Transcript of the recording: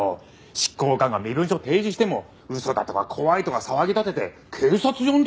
執行官が身分証を提示しても「嘘だ」とか「怖い」とか騒ぎ立てて警察呼んだりするからね。